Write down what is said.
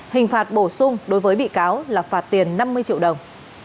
hình phạt bổ sung đối với bị cáo là phạt tiền năm mươi triệu đồng